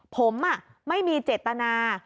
ผมไม่มีเจตนา